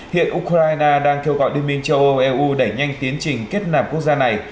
hiện ukraine đang kêu gọi liên minh châu âu eu đẩy nhanh tiến trình kết nạp quốc gia này